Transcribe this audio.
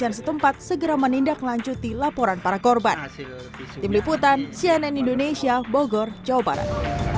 dan adik perempuan saya yang mana ibu dari bayi tersebut dipukul habis habisan secara membabi buta oleh kumpulan atau ikatan dari orang orang yang tersebut